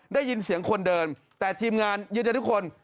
ได้ยินเสียงคนเดินแต่ทีมงานยืนยันทุกคน